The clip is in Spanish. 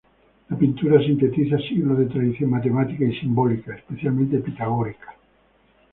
La pintura sintetiza siglos de tradición matemática y simbólica, especialmente pitagórica.